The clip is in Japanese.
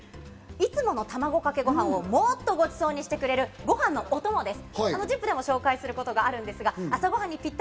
いつものたまごかけごはんをもっとごちそうにしてくれる、ご飯のお供です。